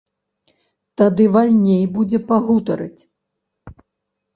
Тады вальней будзе пагутарыць.